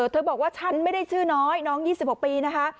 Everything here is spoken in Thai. บอกว่าฉันไม่ได้ชื่อน้อยน้อง๒๖ปีนะคะ